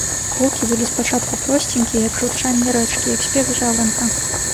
Гукі былі с пачатку просценькія, як журчанне рэчкі, як спевы жаўранка.